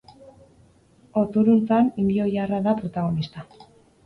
Oturuntzan, indioilarra da protagonista.